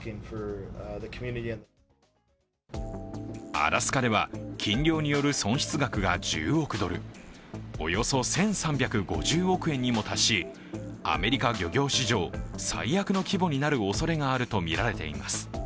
アラスカでは禁漁による損失額が１０億ドル、およそ１３５０億円にも達し、アメリカ漁業史上最悪の規模になるおそれがあるとみられています。